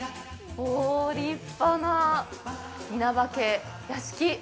おお、立派な稲葉家、屋敷。